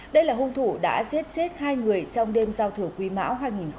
đây là hung thủ đã giết chết hai người trong đêm giao thừa quý mão hai nghìn hai mươi